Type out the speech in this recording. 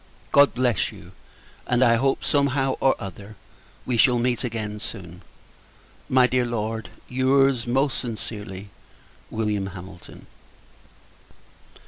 God bless you! And I hope, somehow or other, we shall meet again soon. My dear Lord, your's, most sincerely, Wm. HAMILTON.